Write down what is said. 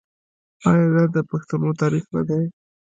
آیا دا د پښتنو تاریخ نه دی؟